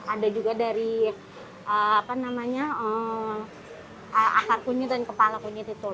ada juga dari akar kunyit dan kepala kunyit itu